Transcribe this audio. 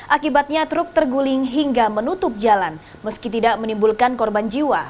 akibatnya truk terguling hingga menutup jalan meski tidak menimbulkan korban jiwa